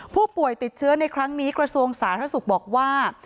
ผู้ป่วยติดเชื้อในครั้งนี้กระทรวงสาธารณสุขบอกว่า